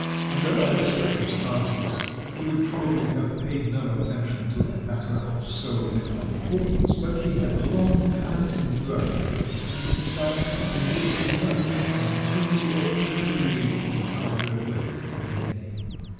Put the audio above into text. Under other circumstances, he would probably have paid no attention to a matter of so little importance, but he had long had a grudge against his son, and was delighted at an opportunity of humiliating the town bred wit and dandy.